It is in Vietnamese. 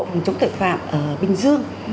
phòng chống tội phạm ở bình dương